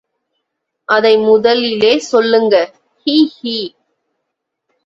அதை முதலிலே சொல்லுங்க ஹி, ஹி!